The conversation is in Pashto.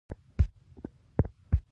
زه ډاډه ووم، که پر موږ ډزې نه وای شوې.